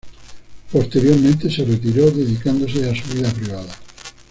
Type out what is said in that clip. Posteriormente se retiró, dedicándose a su vida privada.